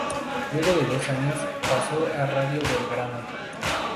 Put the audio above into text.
Luego de dos años pasó a Radio Belgrano.